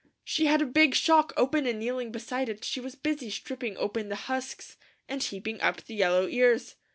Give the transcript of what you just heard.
She had a big shock open and kneeling beside it she was busy stripping open the husks, and heaping up the yellow ears.